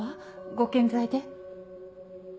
ご健在で？